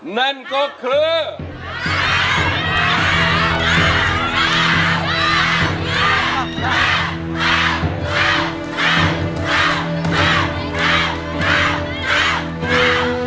นั่นก็คือ